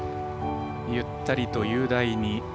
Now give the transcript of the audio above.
ゆったりと雄大に。